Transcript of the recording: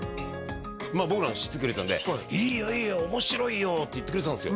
僕らを知っててくれたんで「いいよいいよ面白いよ」って言ってくれてたんですよ